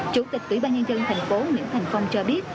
chủ tịch ủy ban nhân dân thành phố nguyễn thành phong cho biết